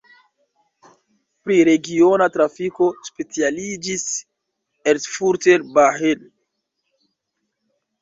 Pri regiona trafiko specialiĝis Erfurter Bahn.